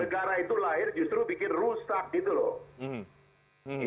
negara itu lahir justru bikin rusak gitu loh